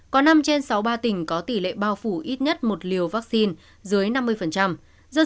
có một mươi một trên sáu mươi ba tỉnh có tỷ lệ bao phủ ít nhất một liều vaccine cho dân từ một mươi tám tuổi trở lên đạt trên năm mươi